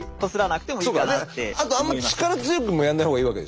あとあんま力強くもやんない方がいいわけですよね。